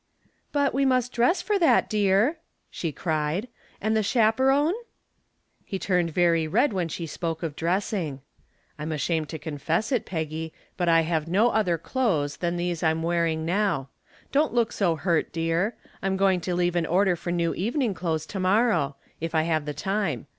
"But we must dress for that, dear," she cried. "And the chaperon?" He turned very red when she spoke of dressing. "I'm ashamed to confess it, Peggy, but I have no other clothes than these I'm wearing now. Don't look so hurt, dear I'm going to leave an order for new evening clothes to morrow if I have the time.